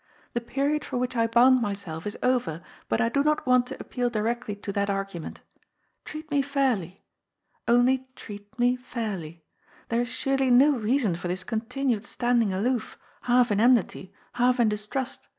The period for which I bound myself is over, but I do not want to appeal directly to that argument. Treat me fairly. Only treat me fairly. There is surely no reason for this con tinued standing aloof, half in enmiiy, half in distrust.